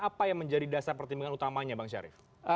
apa yang menjadi dasar pertimbangan utamanya bang syarif